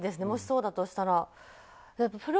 もしそうだとしたら。